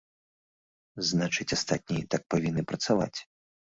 Значыць, астатнія так павінны працаваць.